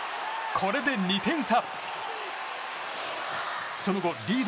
これで２点差。